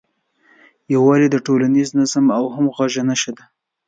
یووالی د ټولنیز نظم او همغږۍ نښه ده.